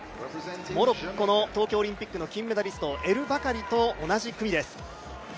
モロッコの東京オリンピック金メダリストエル・バカリと、同じ組です。